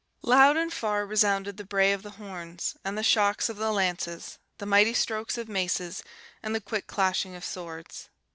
"Loud and far resounded the bray of the horns; and the shocks of the lances, the mighty strokes of maces, and the quick clashing of swords.